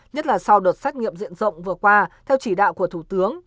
nhất là sau đợt xét nghiệm diện rộng vừa qua theo chỉ đạo của thủ tướng